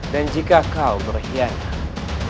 dan jika kau berkhianat